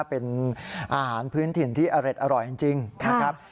เป็นอาหารพื้นถิ่นที่อร่อยจริงนะครับ